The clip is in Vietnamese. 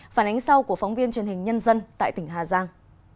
phản ánh sau của phóng viên truyền hình nhân dân tại tỉnh hà giang